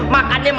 maka dia bisa